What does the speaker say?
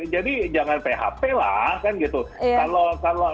jadi jangan php lah